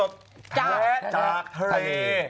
และจากทะเล